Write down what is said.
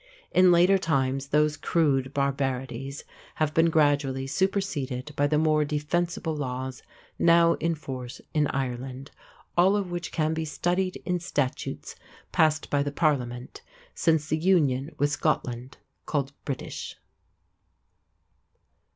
In later times those crude barbarities have been gradually superseded by the more defensible laws now in force in Ireland, all of which can be studied in statutes passed by the Parliament, since the Union with Scotland, called British.